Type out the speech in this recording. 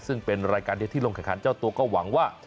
ซึ่งเป็นรายการเดียวที่ลงแข่งขันเจ้าตัวก็หวังว่า